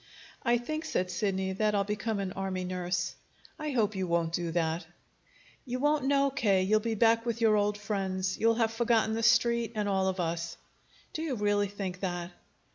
"I think," said Sidney, "that I'll become an army nurse." "I hope you won't do that." "You won't know, K. You'll be back with your old friends. You'll have forgotten the Street and all of us." "Do you really think that?"